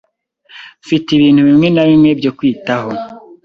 Mfite ibintu bimwe na bimwe byo kwitaho.